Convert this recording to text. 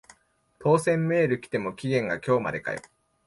当選メール来ても期限が今日までかよ